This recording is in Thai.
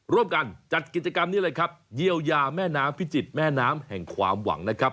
ร่วมกันจัดกิจกรรมนี้เลยครับเยียวยาแม่น้ำพิจิตรแม่น้ำแห่งความหวังนะครับ